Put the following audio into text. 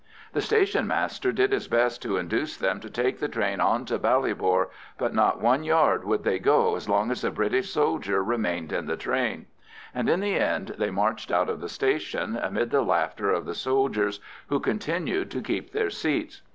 The station master did his best to induce them to take the train on to Ballybor, but not one yard would they go as long as a British soldier remained in the train; and in the end they marched out of the station, amid the laughter of the soldiers, who continued to keep their seats.